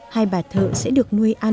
hai bà thợ sẽ được nuôi ăn